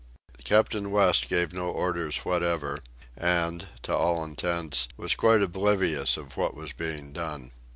Captain West gave no orders whatever, and, to all intents, was quite oblivious of what was being done.